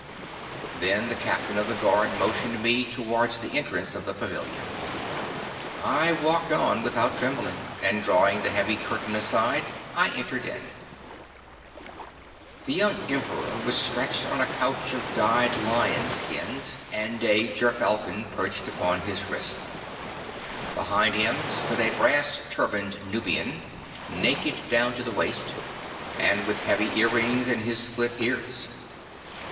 'Then the captain of the guard motioned me towards the entrance of the pavilion. I walked on without trembling, and drawing the heavy curtain aside I entered in. 'The young Emperor was stretched on a couch of dyed lion skins, and a gerfalcon perched upon his wrist. Behind him stood a brass turbaned Nubian, naked down to the waist, and with heavy earrings in his split ears.